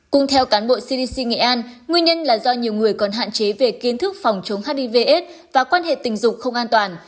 cùng theo cán bộ cdc nghệ an nguyên nhân là do nhiều người còn hạn chế về kiến thức phòng chống hivs và quan hệ tình dục không an toàn